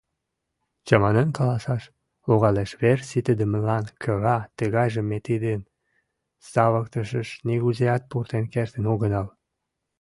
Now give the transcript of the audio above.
Чаманен каласаш логалеш, вер ситыдымылан кӧра тыгайжым ме тиде савыктышыш нигузеат пуртен кертын огынал.